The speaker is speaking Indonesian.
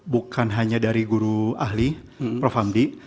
bukan hanya dari guru ahli prof hamdi